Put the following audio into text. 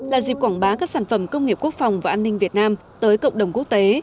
là dịp quảng bá các sản phẩm công nghiệp quốc phòng và an ninh việt nam tới cộng đồng quốc tế